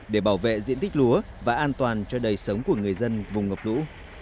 để bảo vệ diện tích lúa và an toàn cho đời sống của người dân vùng ngập lũ